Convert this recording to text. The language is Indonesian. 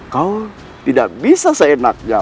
kau tidak bisa seenaknya